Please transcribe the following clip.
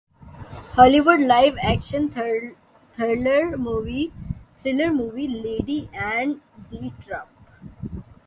ہالی would live action thriller movie lady and the Trump